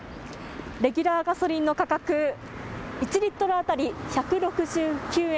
レギュラーガソリンの価格、１リットル当たり１６９円。